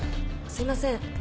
すいません。